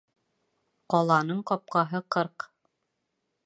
Ҡаланың ҡапҡаһы ҡырҡ.